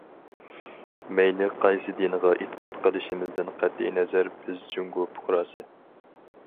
مەيلى قايسى دىنغا ئېتىقاد قىلىشىمىزدىن قەتئىينەزەر، بىز جۇڭگو پۇقراسى.